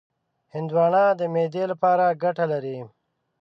هندوانه د معدې لپاره ګټه لري.